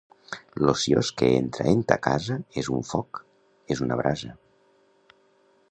L'ociós que entra en ta casa és un foc, és una brasa.